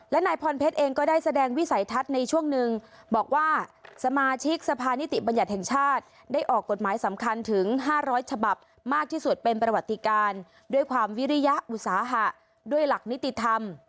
และนายพรเพชรเองก็ได้แสดงวิสัยทัศน์ในช่วงหนึ่งบอกว่าสมาชิกสภานิติบัญญัติแห่งชาติได้ออกกฎหมายสำคัญถึง๕๐๐ฉบับมากที่สุดเป็นประวัติการด้วยความวิริยอุตสาหะด้วยหลักนิติธรรม